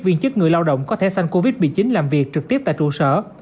viên chức người lao động có thể sanh covid một mươi chín làm việc trực tiếp tại trụ sở